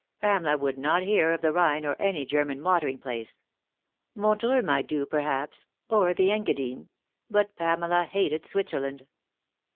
Pamela would not hear of the Rhine or any German watering place. Montreux might do, perhaps, or the Engadine ; but Pamela hated Switzerland.